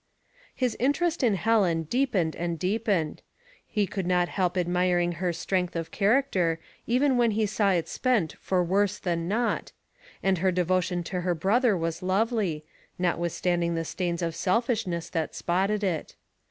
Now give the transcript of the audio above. His interest in Helen deepened and deepened. He could not help admiring her strength of character even when he saw it spent for worse than nought; and her devotion to her brother was lovely, notwithstanding the stains of selfishness that spotted it.